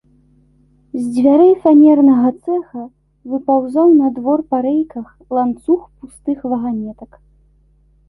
З дзвярэй фанернага цэха выпаўзаў на двор па рэйках ланцуг пустых ваганетак.